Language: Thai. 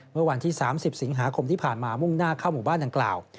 เมื่อวันที่๓๐สิงหาคมที่ผ่านมามุ่งหน้าเข้าหมู่บ้านดังกล่าว